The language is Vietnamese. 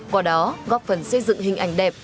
qua đó góp phần xây dựng hình ảnh đẹp